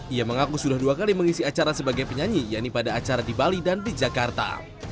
ia mengaku sudah dua kali mengisi acara sebagai penyanyi yaitu pada acara di bali dan di jakarta